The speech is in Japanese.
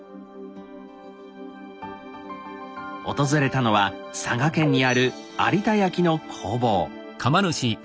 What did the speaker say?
訪れたのは佐賀県にある有田焼の工房。